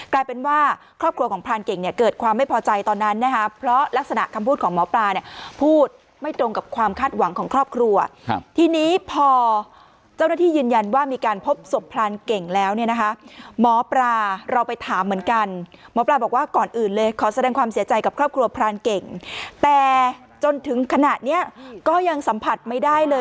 กลายเป็นว่าครอบครัวของพรานเก่งเนี่ยเกิดความไม่พอใจตอนนั้นนะคะเพราะลักษณะคำพูดของหมอปลาเนี่ยพูดไม่ตรงกับความคาดหวังของครอบครัวครับทีนี้พอเจ้าหน้าที่ยืนยันว่ามีการพบศพพรานเก่งแล้วเนี่ยนะคะหมอปลาเราไปถามเหมือนกันหมอปลาบอกว่าก่อนอื่นเลยขอแสดงความเสียใจกับครอบครัวพรานเก่งแต่จนถึงขณะเนี้ยก็ยังสัมผัสไม่ได้เลย